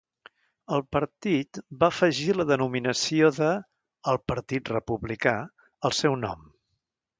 El partit va afegir la denominació de "El partit republicà" al seu nom.